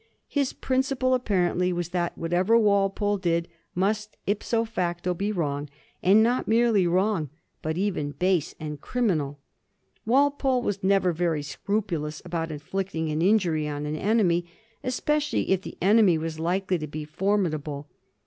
His principle apparently was that whatever Walpole did must ipso facto be wrong, and not merely wrong, but even base and criminal. Walpole was never very scrupulous about inflicting an injury on an enemy, especially if the enemy was likely to be formidable.